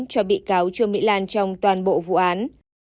cho bị cáo trương mỹ lan trong toàn bộ vụ án